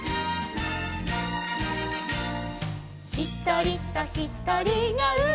「ひとりとひとりがうでくめば」